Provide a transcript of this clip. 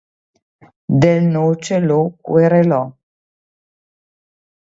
Del Noce lo querelò.